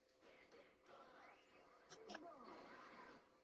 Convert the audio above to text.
Lakini idadi ya Wakristo waliokuwa tayari kufa ilizidi uwezo wa